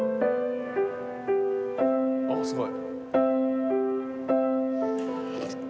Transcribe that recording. あっすごい。